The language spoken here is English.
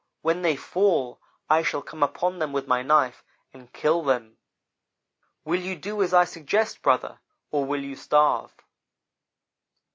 When they fall, I shall come upon them with my knife and kill them. Will you do as I suggest, brother, or will you starve?'